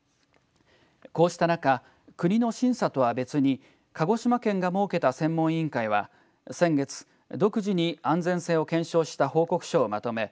こうした中、国の審査とは別に鹿児島県が設けた専門委員会は先月、独自に安全性を検証した報告書をまとめ